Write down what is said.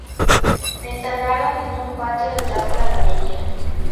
Se instalaron en un patio detrás de la galería.